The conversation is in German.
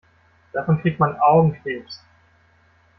Davon kriegt man Augenkrebs.